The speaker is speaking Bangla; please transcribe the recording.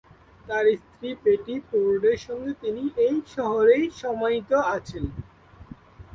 তার স্ত্রী বেটি ফোর্ডের সঙ্গে তিনি এ শহরেই সমাহিত আছেন।